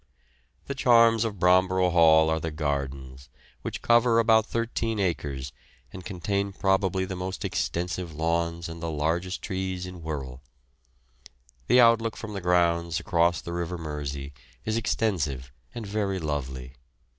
The charms of Bromborough Hall are the gardens, which cover about thirteen acres and contain probably the most extensive lawns and the largest trees in Wirral. The outlook from the grounds across the river Mersey is extensive and very lovely.